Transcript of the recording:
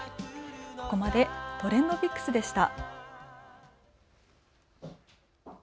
ここまでＴｒｅｎｄＰｉｃｋｓでした。